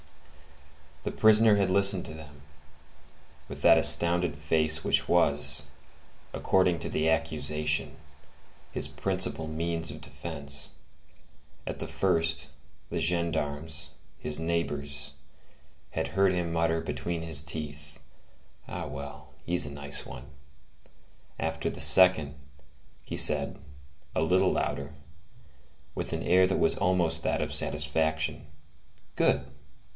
The prisoner had listened to them, with that astounded face which was, according to the accusation, his principal means of defence; at the first, the gendarmes, his neighbors, had heard him mutter between his teeth: "Ah, well, he's a nice one!" after the second, he said, a little louder, with an air that was almost that of satisfaction, "Good!"